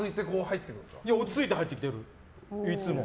落ち着いて入ってきてるいつも。